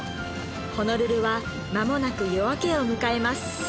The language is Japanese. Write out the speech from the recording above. ホノルルはまもなく夜明けを迎えます